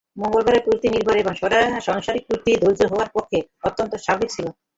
মঙ্গলের প্রতি নির্ভর এবং সংসারের প্রতি ধৈর্য তাঁহার পক্ষে অত্যন্ত স্বাভাবিক ছিল।